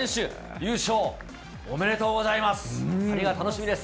優勝、おめでとうございます。